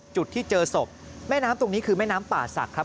จุดที่เจอศพแม่น้ำตรงนี้คือแม่น้ำป่าศักดิ์ครับ